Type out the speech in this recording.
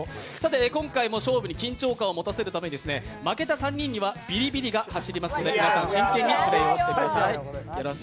今回勝負に緊張感を持たせるために負けた３人にはビリビリが走りますので、皆さん、真剣にプレーしてください